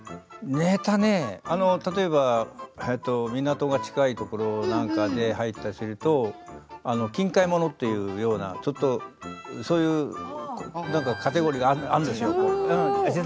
例えば港が近いところなんかで入ったりすると近海ものというようなカテゴリーがあるんですよ。